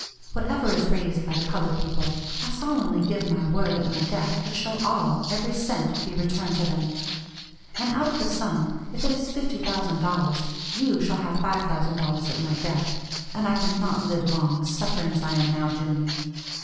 Whatever is raised by the colored people, I solemnly give my word, at my death it shall all, every cent, be returned to them. And out of the sum, if it is $50,000, you shall have $5,000 at my death; and I cannot live long, suffering as I am now doing.